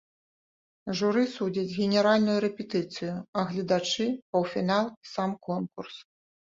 Журы судзіць генеральную рэпетыцыю, а гледачы паўфінал і сам конкурс.